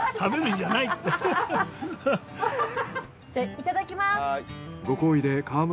じゃいただきます。